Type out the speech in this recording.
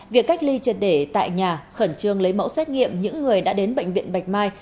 việc cách ly triệt để tại nhà khẩn trương lấy mẫu xét nghiệm những người đã đến bệnh viện bạch mai